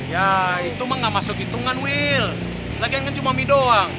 ya itu mah gak masuk hitungan wil lagian kan cuma mie doang